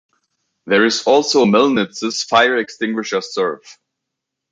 There is also Mellnitz's Fire Extinguisher Serv.